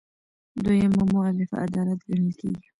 دویمه مولفه عدالت ګڼل کیږي.